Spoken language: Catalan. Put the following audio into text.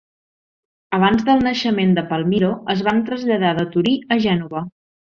Abans del naixement de Palmiro es van traslladar de Torí a Gènova.